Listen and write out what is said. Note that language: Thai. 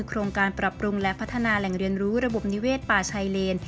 โครงการปรับปรุงและพัฒนาแหล่งเรียนรู้ระบบนิเวศป่าชายเลน